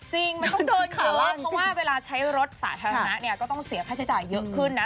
จริงมันต้องเดินขาลากเพราะว่าเวลาใช้รถสาธารณะเนี่ยก็ต้องเสียค่าใช้จ่ายเยอะขึ้นนะ